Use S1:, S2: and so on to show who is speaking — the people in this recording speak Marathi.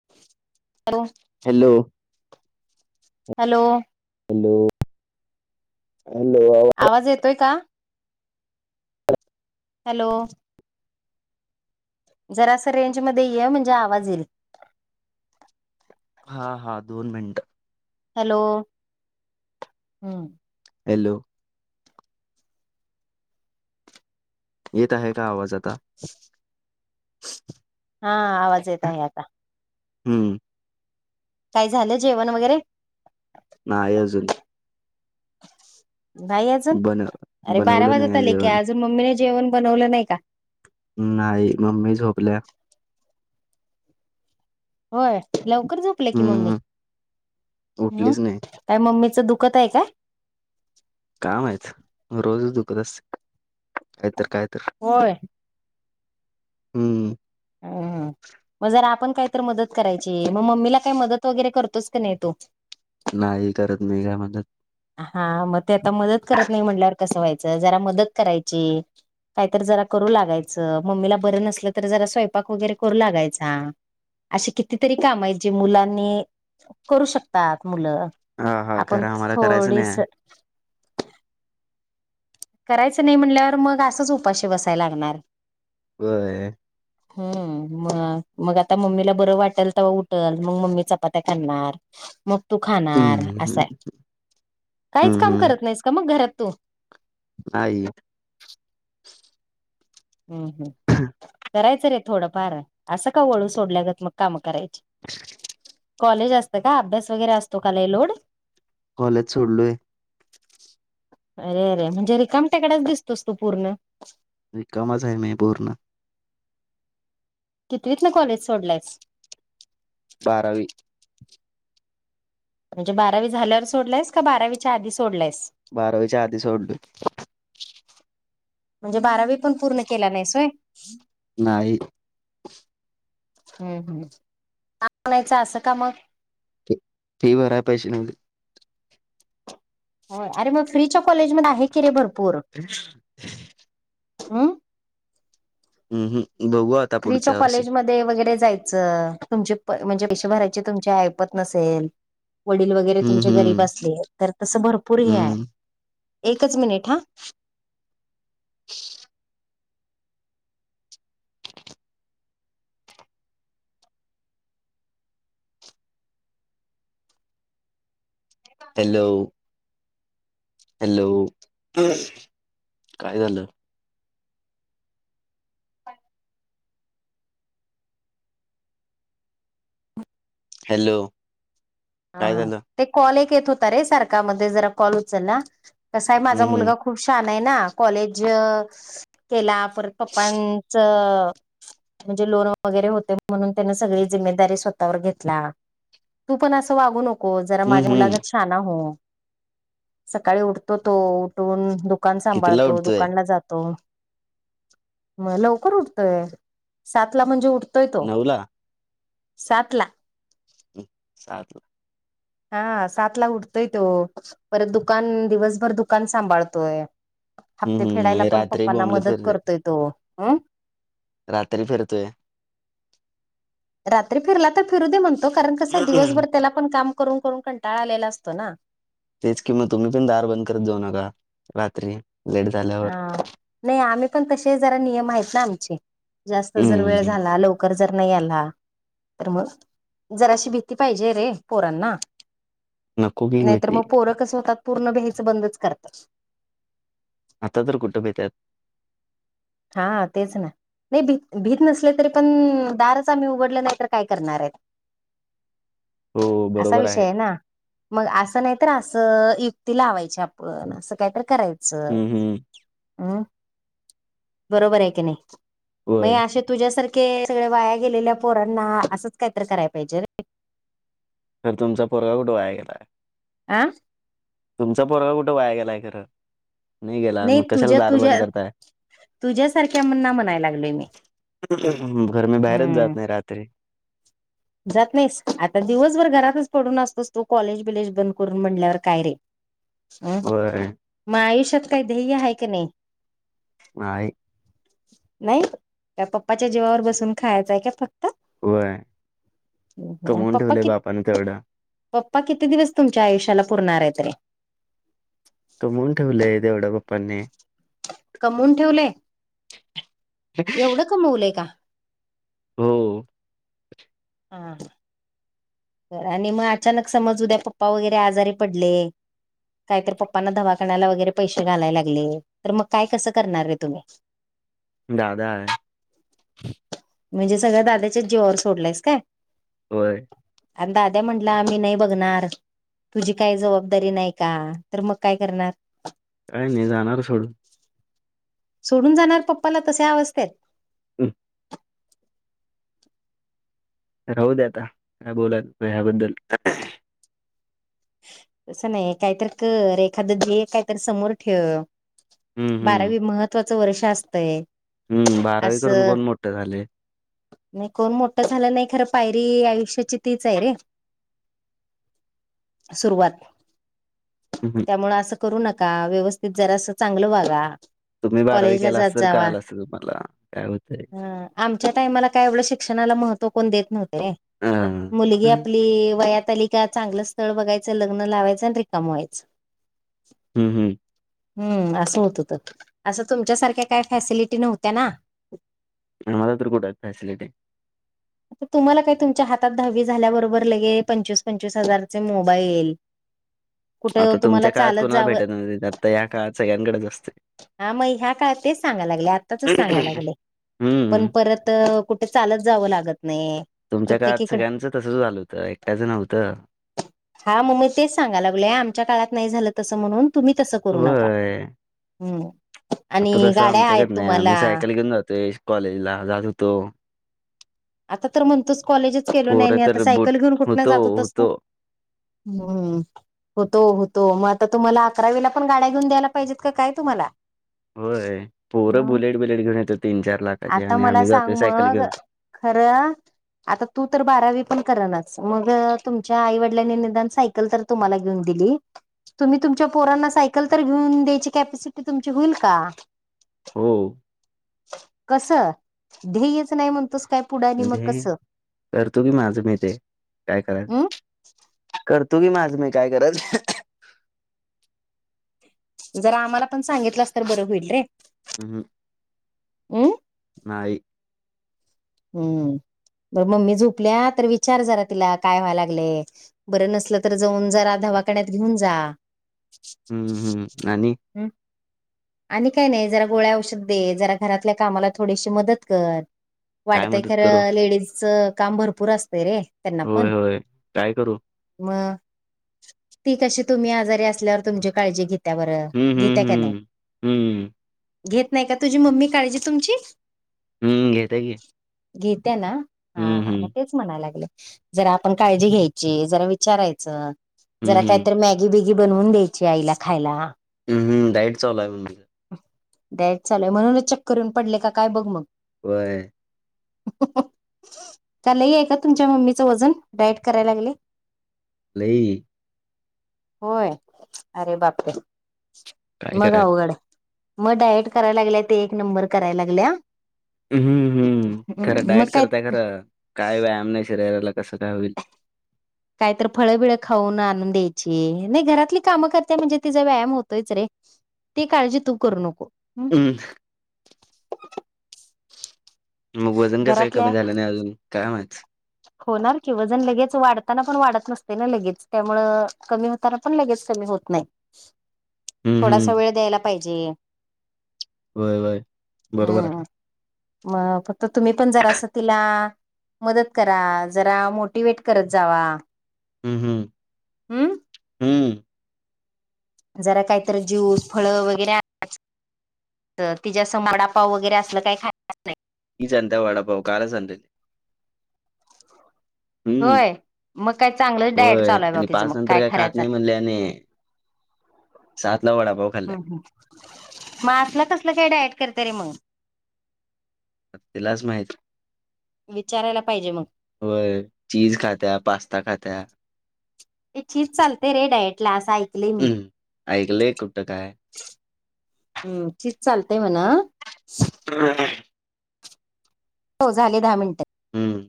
S1: [inaudible]
S2: हॅलो
S1: हॅलो
S2: हॅलो हॅलो आवाज
S1: आवाज येतोय का? हॅलो जरा सं रेंजमध्येध्ये ये म्हणजे आवाज येईल.
S2: हा हा दोन मिनिटं.
S1: हॅलो हम्म
S2: हॅलो येत आहे का आवाज आता?
S1: हा आवाज येत आहे आता.
S2: हम्म
S1: काय झालं जेवण वगैरे.
S2: नाही अजून
S1: नाही अजून
S2: बन
S1: अरे बारा
S2: बनवलं नाही
S1: वाजत
S2: आहे
S1: आले की
S2: जेवण
S1: अजून मम्मीने जेवण बनवलं नाही का
S2: नाही मम्मी झोपल्या
S1: होय लवकर झोपलिया की मम्मी
S2: हम्म
S1: हम
S2: उठलीच नाही
S1: काय मम्मीचं दुखत आहे काय?
S2: काय माहित रोज दुखत असते कायतर काय तर
S1: होय
S2: हम्म
S1: हम्म मग जरा आपण कायतर मदत करायची मग मम्मीला काय मदत वगैरे करतोस की नाही तु
S2: नाही करत मी काय म्हणत
S1: हा मग ते आता मदत करत नाही म्हटल्यावर कसं व्हायचं जरा मदत करायची. काहीतर जरा करू लागायचं मम्मीला बरं नसलं तर जरा स्वयंपाक वगैरे करू लागायचा. अशी कितीतरी काम आहेत जी मुलांनी करू शकतात मुलं,
S2: हा हा
S1: आपण
S2: खर आम्हाला करायचं नाही.
S1: थोडीस करायचं नाही म्हटल्यावर मग असंच उपाशी बसायला लागणार.
S2: व्हय
S1: हम् म मग आता मम्मीला बरं वाटेल तेव्हा उटल मग मम्मी चपात्या करणार
S2: [inaudible]
S1: मग तू खाणार
S2: हम्म
S1: असंय काहीच
S2: हम्म
S1: काम
S2: हम्म
S1: करत नाहीस का मग घरात तू,
S2: नाही
S1: हम् हम् करायचं रे थोडंफार असं का वळू सोडल्यागत मग काम करायची.
S2: [inaudible]
S1: कॉलेज असतं का अभ्यास वगैरे असतो का लई लोड.
S2: कॉलेज सोडलोय.
S1: अरे अरे म्हणजे रिकाम टेकडाच दिसतोस तो पूर्ण
S2: रिकामाच आहे मी पुर्ण
S1: कितवीतनं कॉलेज सोडलायस
S2: बारावी
S1: म्हणजे बारावी झाल्यावर सोडलायस का बारावीच्या आधी सोडलायस
S2: बारावीच्या आधी सोडलोय
S1: म्हणजे बारावी पण पूर्ण केला नाहीस व्हय
S2: नाही
S1: हम् हम् चांगलायचं असं का मग
S2: फी भराय पैशे नव्हते
S1: होय अरे मग फ्रीच्या कॉलेज मध्ये आहे की रे भरपूर हम्
S2: हम्म हम बघू आता
S1: फ्री च्या
S2: पुढच्या वर्षी
S1: कॉलेजमध्ये वगैरे जायचं तुमचे म्हणजे पैशे भरायची तुमची ऐपत नसेल वडील वगैरे
S2: हम्म
S1: तुमचे गरीब
S2: हम्म
S1: असले तर तसं भरपूर हे आहे
S2: हम्म
S1: एकच मिनिट हा
S2: [unintelligible] हॅलो हॅलो काय झालं हॅलो
S1: हा
S2: काय झालं
S1: ते कॉल एक येत होता रे सारखा म जरा कॉल उचलला कस आहे
S2: हम्म
S1: माझा
S2: हम्म
S1: मुलगा खूप शहाणा आहे ना कॉलेज केला परत पप्पांचं म्हणजे लोन वगैरे होते म्हणून त्यान सगळी जिम्मेदारी स्वतःवर घेतला तू पण आस वागू नको जरा
S2: हम्म
S1: माझ्या
S2: हम्म
S1: मुलागंत शिक हा ना हो सकाळी उठतो तो उठून दू कान
S2: कितीला
S1: सांभाळतो
S2: उठतोय
S1: दुकानला जातो म लवकर उठतोय सात ला म्हणजे उठतोय तो.
S2: नऊ ला
S1: सात ला.
S2: सातला
S1: हा सात ला उठतोय तो परत दुकान दिवसभर दुकान सांभाळतोय
S2: हम्म
S1: हप्ते
S2: हम्म
S1: फेडायला
S2: आणि
S1: पण
S2: रात्री
S1: पप्पांना
S2: बोंबलत
S1: मदत
S2: फिरतोय
S1: करतोय तो
S2: रात्री फिरतोय
S1: रात्री फिरला तर फिरू दे म्हणतो कारण कसं दिवसभर त्याला पण काम करून करून कंटाळा आलेला असतो ना.
S2: तेच किं म तुम्ही पण दार बंद करत जाऊ नका रात्री लेट झाल्यावर.
S1: हा. नाही आम्ही पण तसे जरा नियम आहेत ना आमचे जास्त जर वेळ
S2: हम्म
S1: झाला लव कर जर नाही आला तर मग जराशी भीती पाहिजेय रे पोरांना.
S2: नको की
S1: नाहीतर
S2: भीती
S1: मग पोरं कस होतात पूर्ण भ्यायचं बंदच करतात.
S2: आता तर कुठं भेत्यात?
S1: हा तेच ना. नाही भी भीत नसले तरी पण दारच आम्ही उघडले नाही तर काय करणार आहेत?
S2: हो
S1: असा
S2: बरोबर
S1: विषय आहे ना. मग असं नाही तर असं युक्ती लावायची आपण असं काय तर करायचं.
S2: हम्म हम्म
S1: हम्म. बरोबर आहे की नाही म हे
S2: होय
S1: आशे तुझ्यासारखे सगळ्या वाया गेलेल्या पोरांना असंच काहीतरी कराया पाहिजे रे.
S2: तर तुमचा पोरगा कुठं वाया गेलाय?
S1: आं?
S2: तुमचा पोरगा कुट वाया गेलाय खरं? गेला
S1: नाही
S2: मग कशाला
S1: तुझ्या
S2: दार बंद
S1: तुझ्या
S2: करताय
S1: तुझ्या सारख्याना म्हणाया लागलोय मी.
S2: हम्म हम्म बर मी बाहेरच
S1: हम्म
S2: जात नाही रात्री.
S1: जात नाहीस आता दिवसभर घरातच पडून असतोस तो तू कॉलेज बीलेज बंद करून म्हणल्यावर काय रे? हम्म
S2: होय
S1: मग आयुष्यात काही ध्येय आहे की नाही?
S2: नाही.
S1: नाही का पप्पाच्या जीवावर बसून खायचंय का फक्त?
S2: होय कमवून
S1: पप्पा
S2: ठेवलेय
S1: कि
S2: बापानं तेवढं.
S1: पप्पा किती दिवस तुमच्या आयुष्याला पुरणार आहे त रे?
S2: कमवून ठेवलेय तेवढं पप्पांनी.
S1: कमवून ठेवलंय? एवढं कमवलंय का?
S2: हो.
S1: हां. आणि मग अचानक समज उद्या पप्पा वगैरे आजारी पडले? कायतर पप्पांना दवाखान्याला वगैरे पैशे घालाय लागले तर मग काय कसं करणार रे तुम्हीं?
S2: दादा हाये.
S1: म्हणजे सगळ दादाच्या जिवावर सोडलायस काय?
S2: होय.
S1: आण दाद्या म्हंटला मी नाही बघणार? तुझी काही जबाबदारी नाही का तर मग काय करणार?
S2: काही नाही जाणार सोडून.
S1: सोडून जाणार पप्पाला तशा अवस्थेत?
S2: हम्म. राहू दे आता काय बोलायचं ह्याबद्दल?
S1: तसं नाही काहीत कर एखादं ध्येय काहीतरी समोर ठेव.
S2: हम्म हम्म
S1: बारावी महत्वाचं वर्ष असतंय.
S2: हम्म बारावी करून
S1: असं
S2: कोण मोठं झालंय?
S1: नाही कोण मोठं झालं नाही खरं पायरी आयुष्याची तीच आहे रे. सुरुवात
S2: हम हम
S1: त्यामुळे असं करू नका व्यवस्थित जरास असं चांगलं वागा
S2: तुम्ही बारावी
S1: कॉलेजला
S2: केला
S1: जात
S2: असत तर
S1: जावा
S2: कळाल असत तुम्हाला काय होतंय?
S1: हा आमच्या टाइमाला काय एवढं शिक्षणाला महत्व कोण देत नव्हत रे.
S2: हा
S1: मुलगी आपली वयातली का चांगल स्थ स्थळ बघायचं लग्न लावायचं आणि रिकाम व्हायचं
S2: हम् हम्
S1: हम्म असं होतं तर असं तुमच्यासारख्या काय फॅसिलिटी नव्हत्या ना
S2: आम्हाला तर कुठं हायत फॅसिलिटी
S1: तुम्हाला काय तुमच्या हातात दहावी झाल्याबरोबर लगेच पंचवीस पंचवीस हजारचे मोबाईल कुठं
S2: आता
S1: तुम्हाला
S2: तुमच्या काळात
S1: चालत
S2: कोणाला
S1: जावं
S2: भेटत नव्हतं आता ह्या काळात सगळ्यांकडेच असते
S1: हा मग ह्या काळात तेच सांगाय लागलेय आत्ताचच सांगाय लागलेय पण
S2: हम्म.
S1: परत कुठं चालत जावं लागत नाही
S2: तुमच्या काळात
S1: प्रत्येकीकडे
S2: सगळ्यांचं तसच झालं होतं एकट्याचं नव्हतं
S1: हा मग म तेच सांगाय लागलोय आमच्या काळात नाही झालं तसं म्हणून तुम्ही तसं करू नका
S2: होय.
S1: हम्म
S2: आता
S1: आणि
S2: तसं
S1: गाड्या आहेत
S2: आमच्याकडे नाही
S1: तुम्हाला
S2: आम्ही सायकल घेऊन जातोय कॉलेजला जात होतो
S1: आता तर म्हणतोच कॉलेजच केलो नाही
S2: पोरं
S1: नाही आता
S2: तर बुट
S1: सायकल घेऊन कुठनं
S2: होतो,
S1: जात होतास तु?
S2: होतो.
S1: हम्म होतो होतो मग आता तुम्हाला अकरा वीला पण गाड्या घेऊन द्यायला पाहिजेत काय तुम्हाला
S2: होय पोरं
S1: हम्म
S2: बुलेट बिलेट घेऊन येत्यात तीन चार लाखाच्या
S1: आता
S2: आणि
S1: मला
S2: आम्ही जातोय
S1: सांग
S2: सायकल
S1: मग
S2: घेऊन
S1: खरं.. आता तू तर बारावी पण कर नास मग तुमच्या आईवडिलांनी निदान सायकल तर तुम्हाला घेऊन दिली तुम्ही तुमच्या पोरांना सायकल तर घेऊन द्यायची कॅपॅसिटी तुमची होईल का?
S2: हो
S1: कसं ध्येयच नाही म्हणतोस काय पुढं आणि मग
S2: ध्येय..
S1: कसं
S2: करतो की माझं मी ते काय करायचं
S1: हम्
S2: करत करतू की माझ मी काय करायचं
S1: जर आम्हाला पण सांगितलास तर बरं होईल रे
S2: हम् ह...
S1: हम्
S2: नाई
S1: हम्म बरं मम्मी झोपलिया तर विचार जरा तिला काय व्हाय लागलंय? बरं नसलं तर जाऊन जरा दवाखान्यात घेऊन जा
S2: हम्म हम्म.. आणि
S1: हं, आणि काही नाही जरा गोळ्या औषध दे जरा घरातल्या कामाला थोडीशी मदत कर
S2: काय
S1: वाटतय
S2: मदत करू?
S1: खरं लेडीजच काम भरपूर असतय रे त्यांना पण
S2: होय, होय. काय करू?
S1: मग ती कशी तुम्ही आजारी असल्यावर तुमची काळजी घेते त्या बरं.. घेतीया का नाही
S2: हम्म
S1: घेत नाही का तुझी मम्मी काळजी तुमची
S2: हम्म.. घेतीया की
S1: घेतीया ना हा
S2: हं,
S1: म
S2: हं.
S1: तेच म्हणायलागले जरा आपण काळजी घ्यायची जरा विचारायांचं जरा
S2: हं,
S1: काय
S2: हं.
S1: तर मॅग्गी बिग्गी बनवून द्यायची आईला खायला
S2: हम्म डाईट चालू हाय म्हणतं होती
S1: डाएट चालूय म्हणूनच चक्कर येऊन पडलीया का काय बघ मग
S2: व्हय
S1: लई आहे का तुमच्या मम्मीचं वजन डायट करायला लागलेय
S2: नाही.
S1: होय अरे बापरे!
S2: काय
S1: मग
S2: करायचं?
S1: अवघड. मग डायट करायला लागल्या ते एक नंबर करायला लागल्या.
S2: म्म हम् खरं
S1: मग
S2: डाएट
S1: काय
S2: करतिया खरं काय व्यायाम नाही शरीराला कसं काय होईल
S1: कायतर फळ बिळं खाऊन आणून द्यायची नाही घरातली कामं करते म्हणजे तिचा व्यायाम होतोयच रे ती काळजी तू करू नको
S2: हम् [inaudible] मग वजन कस
S1: घरातल्या
S2: कमी झालं नाही अजून. काय माहित.
S1: होणार कि जण लगेच वाढताना पण वाढत नसते ना लगेच त्यामुळ कमी हो. पण लगेच कमी होत नाही.
S2: [inaudible] हं,
S1: थोडासा
S2: हं.
S1: वेळ द्यायला पाहिजे.
S2: वय वय बरोबर
S1: हम्म
S2: आहे.
S1: मग फक्त तुम्ही पण जरा असं तिला. मदत करा जरा मोटिवेट करत जावा.
S2: हम्म हम्म,
S1: हम्म.
S2: हम्म.
S1: जरा काहीतरी ज्यूस फळ वगैरे. तर ति ज असं माडापाव वगैरे असलं काही खायच नाही.
S2: ह जंता वाढा पाव कालचं आणले. हम्म,
S1: होय. मग काय चांगलंच डायट
S2: होय
S1: चालू आहे बा
S2: आणि
S1: तिचं
S2: पाच
S1: मग
S2: नंतर काय खात
S1: करायचं
S2: नाही म्हणल्याने. सात ला वडापाऊ खाल्ल्या.
S1: [unintelligible] मग असला कसलं काय डायट करत रे मग.
S2: तिलाच माहित.
S1: विचारायला पाहिजे मग.
S2: होय चीज खात्या, पास्ता खात्या.
S1: चीज चालते रे डायटला असं ऐकलेय मी.
S2: हं. ऐकलंय कुठं काय?
S1: [inaudible] हम्म चीज चालतय म्हणा.
S2: [unintelligible]
S1: हो झाले दहा मिनट.
S2: हम्म.